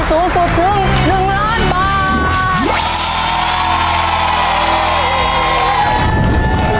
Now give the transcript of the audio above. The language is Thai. สูงสุดถึง๑ล้านบาท